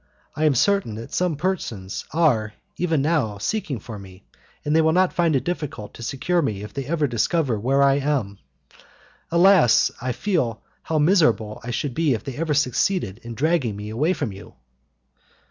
I am certain that some persons are, even now, seeking for me, and they will not find it very difficult to secure me if they ever discover where I am. Alas! I feel how miserable I should be if they ever succeeded in dragging me away from you!"